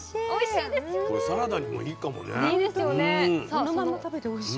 そのまま食べておいしい。